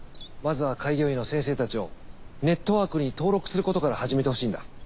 まずは開業医の先生たちをネットワークに登録することから始めてほしいんだ。